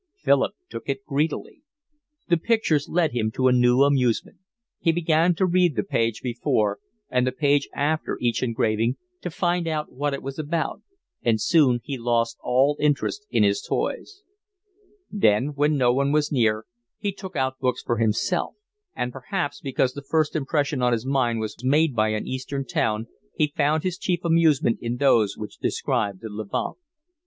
Philip took it greedily. The pictures led him to a new amusement. He began to read the page before and the page after each engraving to find out what it was about, and soon he lost all interest in his toys. Then, when no one was near, he took out books for himself; and perhaps because the first impression on his mind was made by an Eastern town, he found his chief amusement in those which described the Levant.